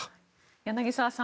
柳澤さん